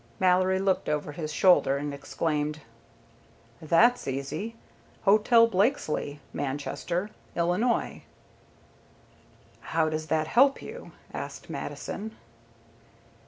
Mallory looked over his shoulder, and exclaimed: "That's easy. Hotel Blakesleigh, Manchester, Illinois." "How does that help you?" asked Mattison.